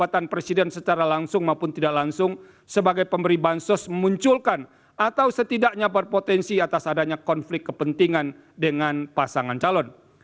jabatan presiden secara langsung maupun tidak langsung sebagai pemberi bansos memunculkan atau setidaknya berpotensi atas adanya konflik kepentingan dengan pasangan calon